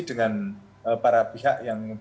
dengan para pihak yang